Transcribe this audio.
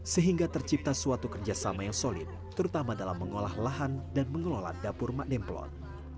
sehingga tercipta suatu kerjasama yang solid terutama dalam mengolah lahan dan mengelola dapur mak demplon